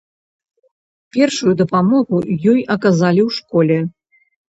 Першую дапамогу ёй аказалі ў школе.